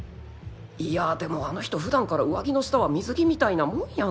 いやぁでもあの人普段から上着の下は水着みたいなもんやんけ